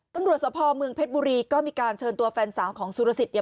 ตำรวจสภเมืองเพชรบุรีก็มีการเชิญตัวแฟนสาวของสุรสิทธิเนี่ย